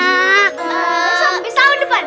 besok besok tahun depan